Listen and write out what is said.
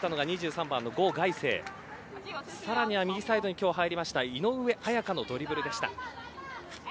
さらに、さらに右サイドに今日入った井上綾香のドリブルでした。